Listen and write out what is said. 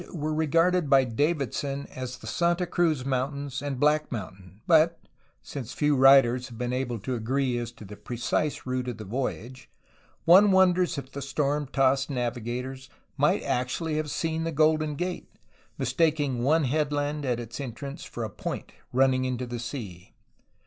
e regarded by Davidson as the Santa Cruz Mountains and Black Mountain, but (since few writers have been able to agree as to the precise route of this voyage) one wonders if the storm tossed navigators might actually have seen the Golden Gate, mistaking one headland at its entrance for a point running into the sea.